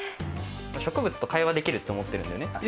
植物と会話できるって思ってるんだよね。